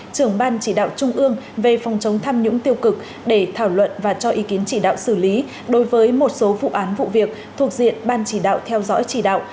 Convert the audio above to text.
trưởng ban chỉ đạo trung ương về phòng chống tham nhũng tiêu cực để thảo luận và cho ý kiến chỉ đạo xử lý đối với một số vụ án vụ việc thuộc diện ban chỉ đạo theo dõi chỉ đạo